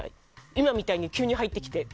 今みたいに急に入ってきて。